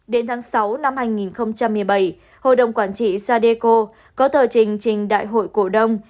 đến tháng sáu năm hai nghìn một mươi bảy hội đồng quản trị sadeco có tờ trình trình đại hội cổ đông